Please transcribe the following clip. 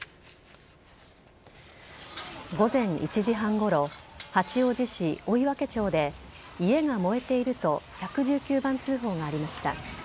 午前１時半ごろ八王子市追分町で家が燃えていると１１９番通報がありました。